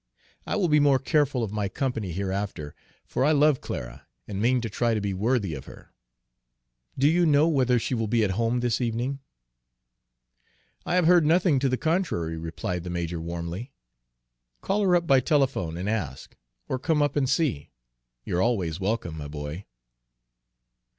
I will be more careful of my company hereafter; for I love Clara, and mean to try to be worthy of her. Do you know whether she will be at home this evening?" "I have heard nothing to the contrary," replied the major warmly. "Call her up by telephone and ask or come up and see. You're always welcome, my boy."